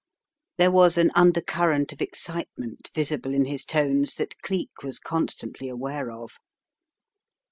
There was an undercurrent of excite ment visible in his tones that Cleek was constantly aware of.